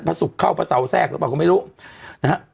พระสุกเข้าพระเสาแทรกหรือเปล่าก็ไม่รู้